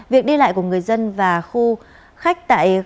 việc đi lại của người dân và khu khách tại